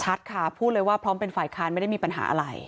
ชัดค่ะพูดเลยว่าพร้อมเป็นฝ่ายค้านไม่ได้มีปัญหาอะไร